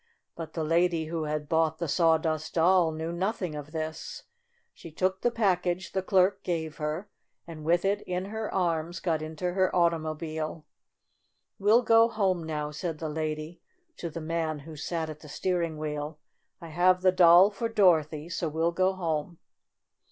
But the lady who had bought the Saw dust Doll knew nothing of this. She took the package the clerk gave her, and, with it in her arms, got into her automobile. "We'll go home now," said the lady to the man who sat at the steering wheel. "I have the doll for Dorothy, so we'll go home."